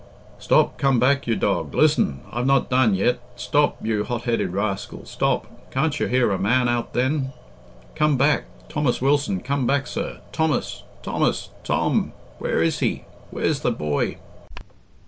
"Stop! come back, you dog! Listen! I've not done yet. Stop! you hotheaded rascal, stop! Can't you hear a man out then? Come back! Thomas Wilson, come back, sir! Thomas! Thomas! Tom! Where is he? Where's the boy?"